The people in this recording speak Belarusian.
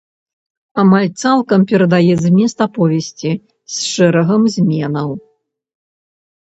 Амаль цалкам перадае змест аповесці, з шэрагам зменаў.